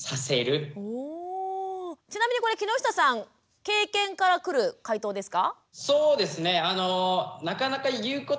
ちなみにこれ木下さん経験から来る解答ですか？